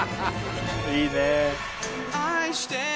いいね。